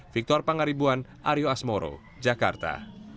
victor pangaribuan aryo asmoro jakarta